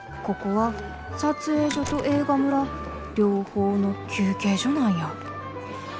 ここは撮影所と映画村両方の休憩所なんや。